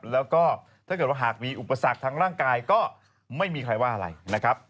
แล้วก็ถ้าเกิดว่าหากมีอุปสรรคทางร่างกายก็ไม่มีใครว่าอะไรนะครับ